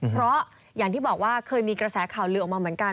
เพราะอย่างที่บอกว่าเคยมีกระแสข่าวลือออกมาเหมือนกัน